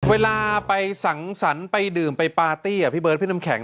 เวลาไปสังสรรค์ไปดื่มไปปาร์ตี้อ่ะพี่เบิร์ดพี่น้ำแข็ง